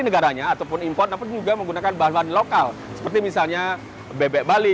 negaranya ataupun impor namun juga menggunakan bahan bahan lokal seperti misalnya bebek bali